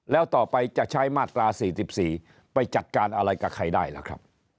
แล้วต่อไปจะใช้มาตรา๔๔ไปจัดการอะไรกับใครได้ล่ะครับ